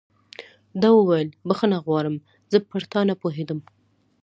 ده وویل: بخښنه غواړم، زه پر تا نه پوهېدم.